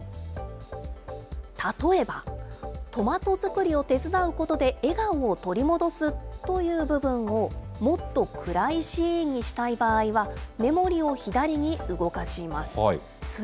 例えば、トマト作りを手伝うことで笑顔を取り戻すという部分を、もっと暗いシーンにしたい場合は、メモリを左に動かします。